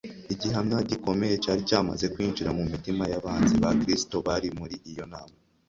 Igihamya gikomeye cyari cyamaze kwinjira mu mitima y'abanzi ba Kristo bari muri iyo nama.